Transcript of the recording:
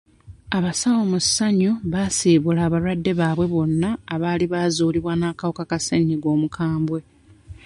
Abasawo mu ssanyu baasiibula abalwadde baabwe bonna abaali baazuulibwa n'akawuka ka ssennyiga omukambwe.